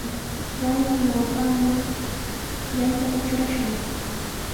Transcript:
Wasinpa ñawpanman yanta trurashun.